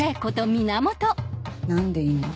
何でいんの？